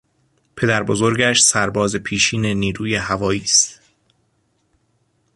پدربزرگش سرباز پیشین نیروی هوایی است.